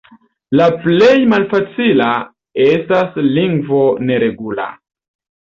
La plej malfacila estas lingvo neregula.